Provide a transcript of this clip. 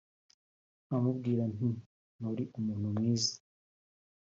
nkamubwira nti “nturi umuntu mwiza